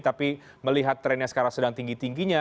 tapi melihat trennya sekarang sedang tinggi tingginya